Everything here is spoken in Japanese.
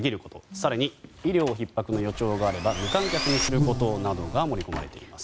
更に医療ひっ迫の予兆があれば無観客にすることなどが盛り込まれています。